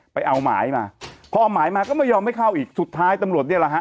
ไปเอาหมายมาพอเอาหมายมาก็ไม่ยอมให้เข้าอีกสุดท้ายตำรวจเนี่ยแหละฮะ